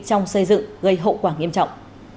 trong xây dựng gây hậu quả nghiêm trọng